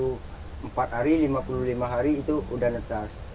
lima puluh empat hari lima puluh lima hari itu sudah netas